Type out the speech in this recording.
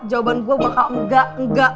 jawaban gue bakal enggak